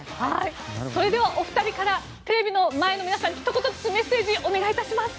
それではお二人からテレビの前の皆様にメッセージお願いします。